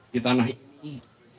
di tanah ini